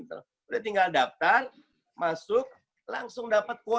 udah tinggal dapetan masuk langsung dapat kuota